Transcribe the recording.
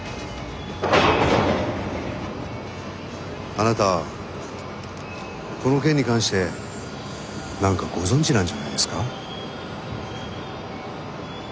あなたはこの件に関して何かご存じなんじゃないですか？